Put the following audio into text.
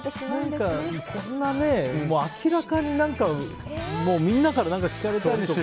何か、こんな明らかにみんなから聞かれたりとか。